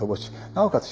なおかつ